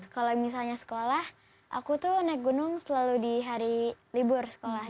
kalau misalnya sekolah aku tuh naik gunung selalu di hari libur sekolah